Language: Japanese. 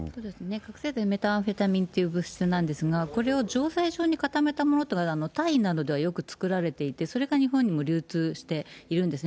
覚醒剤、メタンフェタミンという物質なんですが、これを錠剤状に固めたものというのは、タイなどではよく作られていて、それが日本にも流通しているんですね。